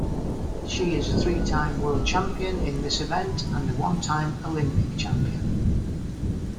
She is a three-time world champion in this event and a one-time Olympic champion.